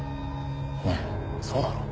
ねえそうだろ？